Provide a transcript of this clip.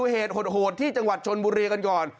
เหตุโหดที่จังหวัดชนบุรีกันก่อน